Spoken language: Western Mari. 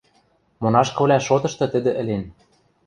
Монашкывлӓ шотышты тӹдӹ ӹлен.